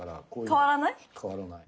変わらない。